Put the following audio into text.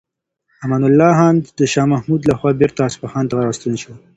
امان الله خان د شاه محمود لخوا بیرته اصفهان ته راستون شو.